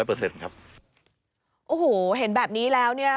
โอ้โหเห็นแบบนี้แล้วเนี่ย